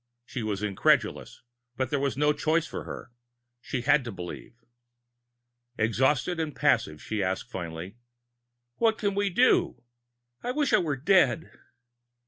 She was incredulous, but there was no choice for her; she had to believe. Exhausted and passive, she asked finally: "What can we do? I wish I were dead!"